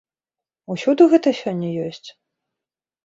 Усюды гэта сёння ёсць?